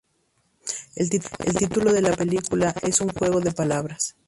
El título de la película es un juego de palabras.